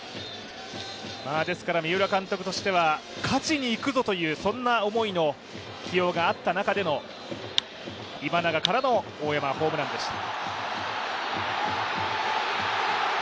ですから三浦監督としては勝ちにいくぞという思いの起用があった中での今永からの大山、ホームランでした。